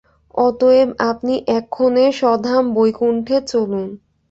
অতএব আপনি এক্ষণে স্বধাম বৈকুণ্ঠে চলুন।